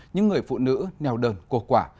những người phụ nữ neo đơn cô quả